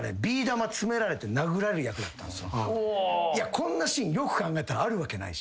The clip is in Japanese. こんなシーンよく考えたらあるわけないし。